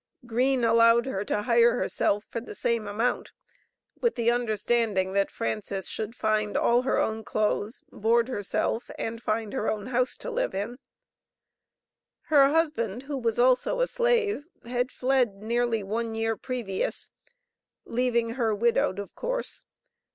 Green allowed her to hire herself for the same amount, with the understanding that Frances should find all her own clothes, board herself and find her own house to live in. Her husband, who was also a slave, had fled nearly one year previous, leaving her widowed, of course.